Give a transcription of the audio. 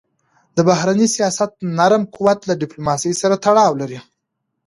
د بهرني سیاست نرم قوت له ډیپلوماسی سره تړاو لري.